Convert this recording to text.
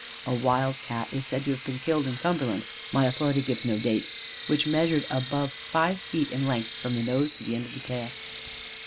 A wild Cat is said to have been killed in Cumberland (my authority gives no date) which measured above five feet in length from the nose to the end of the tail.